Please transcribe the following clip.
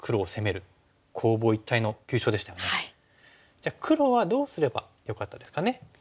じゃあ黒はどうすればよかったですかね。